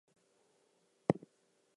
There are sixteen hotel rooms on this floor.